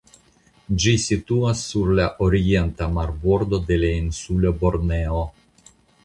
Ĝi situas sur la orienta marbordo de la insulo Borneo.